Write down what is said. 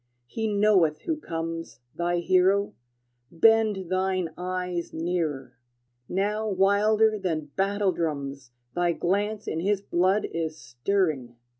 he knoweth who comes, Thy hero: bend thine eyes nearer! Now wilder than battle drums Thy glance in his blood is stirring!